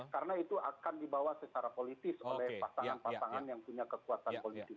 karena itu akan dibawa secara politis oleh pasangan pasangan yang punya kekuatan politik